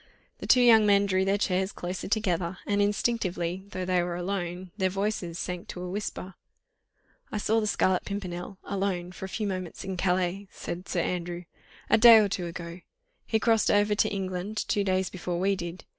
The two young men drew their chairs closer together, and instinctively, though they were alone, their voices sank to a whisper. "I saw the Scarlet Pimpernel alone, for a few moments in Calais," said Sir Andrew, "a day or two ago. He crossed over to England two days before we did.